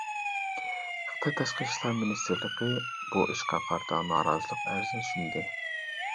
خىتاي تاشقى ئىشلار مىنىستىرلىقى بۇ ئىشقا قارىتا نارازىلىق ئەرزىنى سۇندى.